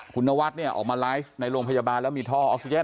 คุณนวัดเนี่ยออกมาไลฟ์ในโรงพยาบาลแล้วมีท่อออกซิเจน